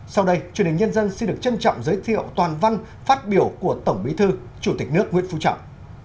sau đây truyền hình nhân dân xin được trân trọng giới thiệu toàn văn phát biểu của tổng bí thư chủ tịch nước nguyễn phú trọng